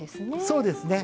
そうですね。